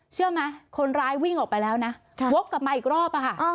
เชื่อไหมคนร้ายวิ่งออกไปแล้วนะวกกลับมาอีกรอบอะค่ะ